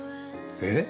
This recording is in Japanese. えっ？